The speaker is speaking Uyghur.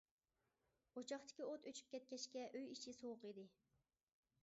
ئوچاقتىكى ئوت ئۆچۈپ كەتكەچكە ئۆي ئىچى سوغۇق ئىدى.